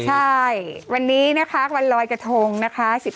ใช่วันนี้นะคะวันลอยกระทงนะคะ